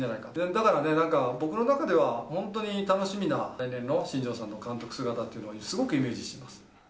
だからね、なんか僕の中では、本当に楽しみな、来年の新庄さんの監督姿っていうのをすごくイメージしています。